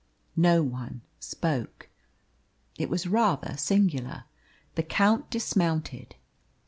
No one spoke. It was rather singular. The Count dismounted.